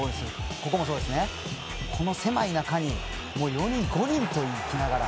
ここも、この狭い中に４人、５人といきながら。